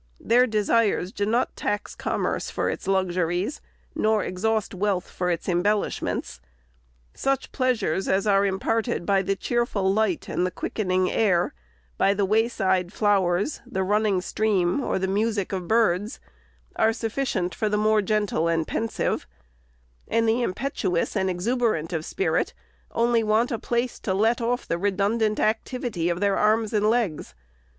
Their desires do not tax com merce for its luxuries, nor exhaust wealth for its embel lishments. Such pleasures as are imparted by the cheer ful light and the quickening air, by the wayside flowers, the running stream, or the music of birds, are sufficient for the more gentle and pensive ; and the impetuous and exuberant of spirit only want a place to let off the redundant activity of their arms and legs.